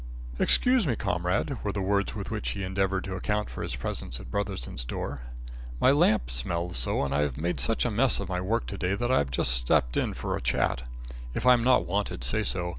"Excuse me, comrade," were the words with which he endeavoured to account for his presence at Brotherson's door. "My lamp smells so, and I've made such a mess of my work to day that I've just stepped in for a chat. If I'm not wanted, say so.